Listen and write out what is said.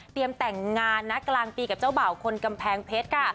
แต่งงานนะกลางปีกับเจ้าบ่าวคนกำแพงเพชรค่ะ